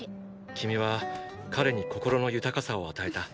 君は彼に心の豊かさを与えた。